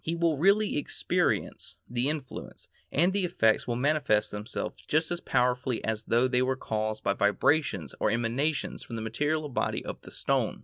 He will really experience the influence, and the effects will manifest themselves just as powerfully as though they were caused by vibrations or emanations from the material body of the stone.